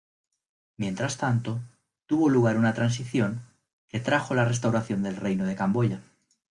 Mientras tanto, tuvo lugar una transición que trajo la restauración del Reino de Camboya.